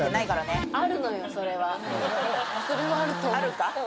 ⁉それはあると思う。